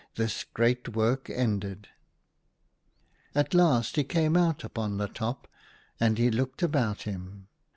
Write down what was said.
This great work ended !" At last he came out upon the top, and he looked about him.